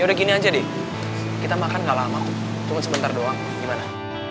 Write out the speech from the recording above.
yaudah gini aja d kita makan gak lama cuman sebentar doang gimana